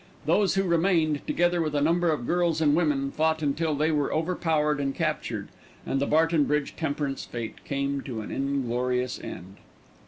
Those who remained, together with a number of girls and women, fought until they were overpowered and captured, and the Barton Bridge Temperance Fête came to an inglorious end.